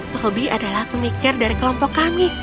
tuhhobi adalah pemikir dari kelompok kami